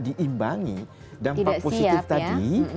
diimbangi dampak positif tadi